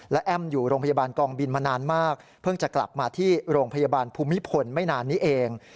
และแอ้มอยู่โรงพยาบาลกองบินมานานมากเพิ่งจะกลับมาที่โรงพยาบาลภูมิพลไม่นานนี้เอง